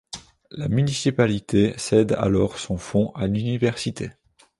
La municipalité cède alors son fonds à l’université.